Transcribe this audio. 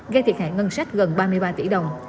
gây thiệt hại ngân sách gần ba mươi ba tỷ đồng